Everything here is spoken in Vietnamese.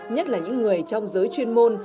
nhất là những người trong giới chuyên môn